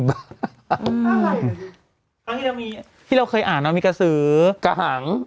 ม่อนจอดมที่เราเคยอ่านเอามิกาสือกหัง